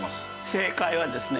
正解はですね